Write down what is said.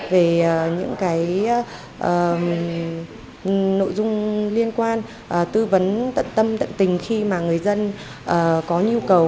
về những cái nội dung liên quan tư vấn tận tâm tận tình khi mà người dân có nhu cầu